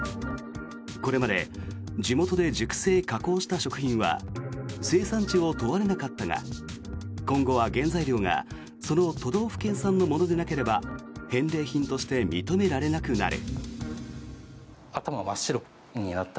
これまで地元で熟成・加工した食品は生産地を問われなかったが今後は原材料がその都道府県産のものでなければ返礼品として認められなくなる。